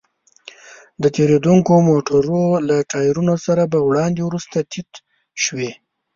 د تېرېدونکو موټرو له ټايرونو سره به وړاندې وروسته تيت شوې.